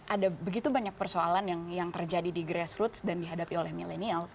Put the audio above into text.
ada begitu banyak persoalan yang terjadi di grass roots dan dihadapi oleh milenials